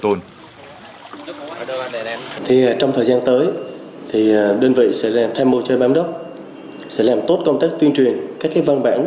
trong thời gian tới đơn vị sẽ làm tham mô cho bám đốc sẽ làm tốt công tác tuyên truyền các văn bản